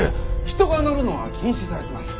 人が乗るのは禁止されてます。